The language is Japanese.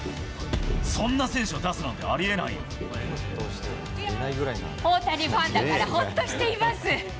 そんな選手を出すなんてありえな大谷ファンだからほっとしています。